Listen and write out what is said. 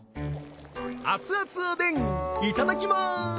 アツアツおでんいただきます！